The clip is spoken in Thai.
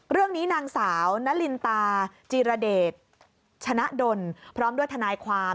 เรื่องนี้นางสาวนลินตาจีรเดชชนะดลพร้อมด้วยทนายความ